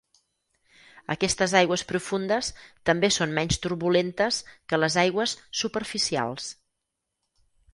Aquestes aigües profundes també són menys turbulentes que les aigües superficials.